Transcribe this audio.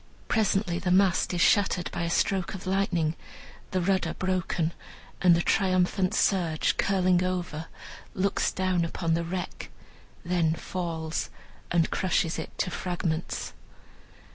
Presently the mast is shattered by a stroke of lightning, the rudder broken, and the triumphant surge curling over looks down upon, the wreck, then falls, and crushes it to fragments.